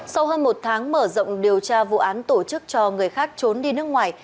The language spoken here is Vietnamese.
sau hơn một tháng mở rộng điều tra vụ án tổ chức cho người khác trốn đi nước ngoài